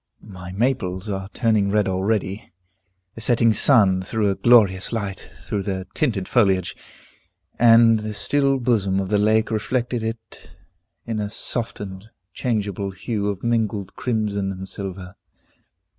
The maples are turning red already. The setting sun threw a glorious light through their tinted foliage, and the still bosom of the lake reflected it in a softened, changeable hue of mingled crimson and silver.